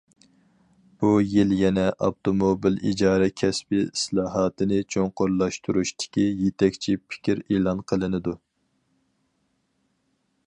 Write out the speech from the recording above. بۇ يىل يەنە ئاپتوموبىل ئىجارە كەسپى ئىسلاھاتىنى چوڭقۇرلاشتۇرۇشتىكى يېتەكچى پىكىر ئېلان قىلىنىدۇ.